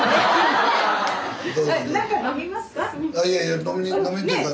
なんか飲みますか？